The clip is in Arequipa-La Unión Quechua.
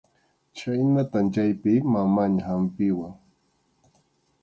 Chhaynatam chaypi mamaña hampiwan.